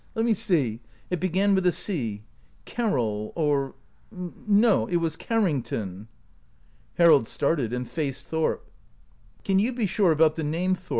Let me see — it be gan with a C — Carroll — or — no, it was Carrington." Harold started, and faced Thorp. " Can you be sure about the name, Thorp?"